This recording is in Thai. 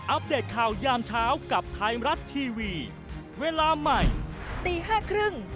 เดตข่าวยามเช้ากับไทยรัฐทีวีเวลาใหม่ตีห้าครึ่ง